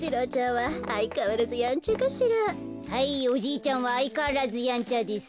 はいおじいちゃんはあいかわらずやんちゃです。